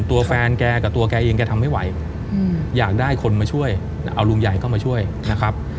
ตัวแฟนแกกับตัวแกเองแกทำไม่ไหวอยากได้คนมาช่วยเอาลุงใหญ่เข้ามาช่วยนะครับ